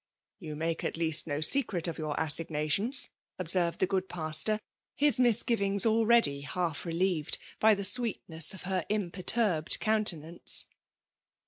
'^ You make at least no secret of your asH stations/' observed the geod pastor, his misgivings already half relieved by theisweet* ness of her imperturbed countenance.